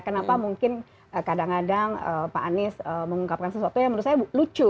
kenapa mungkin kadang kadang pak anies mengungkapkan sesuatu yang menurut saya lucu